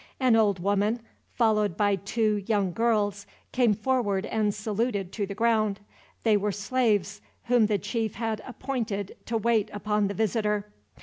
An old woman, followed by two young girls, came forward and saluted to the ground. They were slaves, whom the chief had appointed to wait upon the visitor.